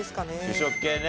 主食系ね。